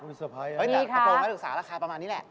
สุดยอดเลยแต่กระโปรงให้ศึกษาราคาประมาณนี้แหละ